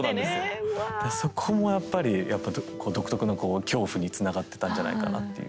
でそこもやっぱりやっぱこう独特のこう恐怖につながってたんじゃないかなっていう。